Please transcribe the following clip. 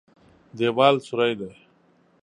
دېوال سوری دی.